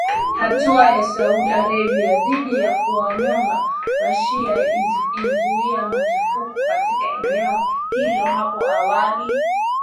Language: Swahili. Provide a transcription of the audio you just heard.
Hatua ya Saudi Arabia dhidi ya kuwanyonga wa shia ilizua machafuko katika eneo hilo hapo awali